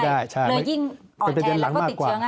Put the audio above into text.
เลยยิ่งอ่อนแทนแล้วก็ติดเชื้อให้